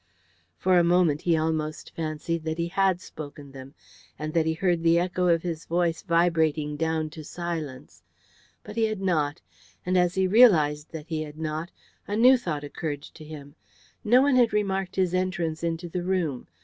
For a moment he almost fancied that he had spoken them, and that he heard the echo of his voice vibrating down to silence. But he had not, and as he realised that he had not, a new thought occurred to him. No one had remarked his entrance into the room.